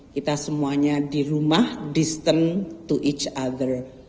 kita semuanya di rumah distant to each other